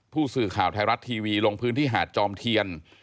ผู้สื่อข่าวไทยรัฐทีวีลงพื้นที่หาดจอมเทียน